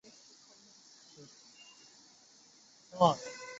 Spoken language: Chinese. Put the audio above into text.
这种语言的规范说明一个未来的版本将会支持基于类型擦除的泛型编程。